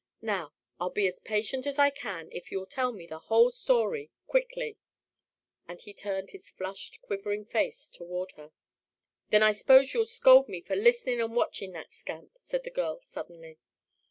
Now, I'll be as patient as I can if you'll tell me the whole story quickly," and he turned his flushed, quivering face toward her. "Then I s'pose you'll scold me for listenin' and watchin' that scamp," said the girl sullenly.